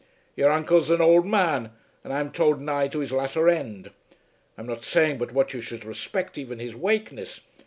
Your uncle's an ould man, and I'm told nigh to his latter end. I'm not saying but what you should respect even his wakeness.